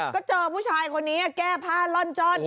ก็เจอผู้ชายคนนี้แก้ผ้าล่อนจ้อน